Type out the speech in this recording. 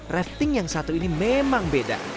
rafting yang satu ini memang beda